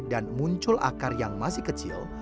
dan muncul akar yang masih kecil